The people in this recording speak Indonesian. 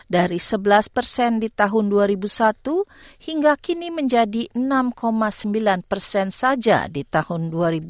dari sebelas persen di tahun dua ribu satu hingga kini menjadi enam sembilan persen saja di tahun dua ribu dua puluh